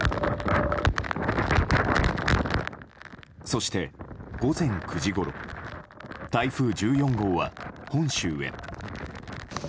そして、午前９時ごろ台風１４号は本州へ。